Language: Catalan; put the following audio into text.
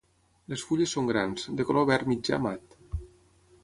Les fulles són grans, de color verd mitjà mat.